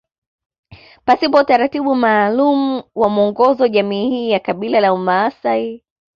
Pasipo utaratibu maalumu na mwongozo jamii hii ya kabila la wamaasai